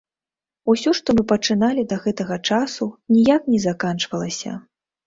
Усё што мы пачыналі да гэтага часу, ніяк не заканчвалася.